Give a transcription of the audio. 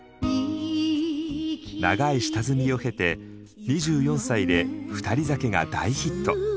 長い下積みを経て２４歳で「ふたり酒」が大ヒット。